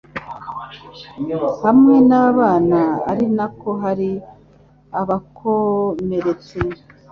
hamwe n'abana ari na ko hari abakomeretse